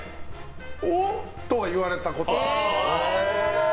お！とは言われたことは。